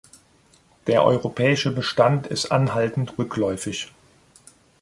Der europäische Bestand ist anhaltend rückläufig.